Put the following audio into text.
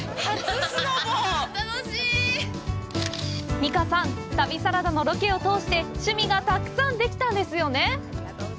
美佳さん、旅サラダのロケを通して趣味がたくさんできたんですよね。